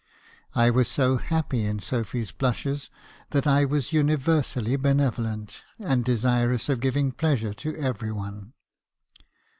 I was so happy in Sophy's blushes that I was universally benevolent, and desirous of giving pleasure to every one.